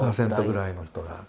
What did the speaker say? １％ぐらいの人が。